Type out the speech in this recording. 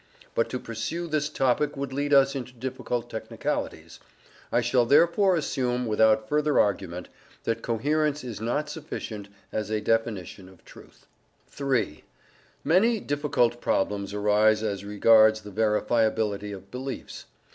But to pursue this topic would lead us into difficult technicalities; I shall therefore assume, without further argument, that coherence is not sufficient as a definition of truth. III. Many difficult problems arise as regards the verifiability of beliefs.